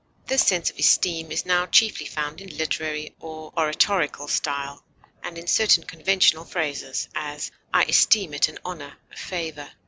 This sense of esteem is now chiefly found in literary or oratorical style, and in certain conventional phrases; as, I esteem it an honor, a favor.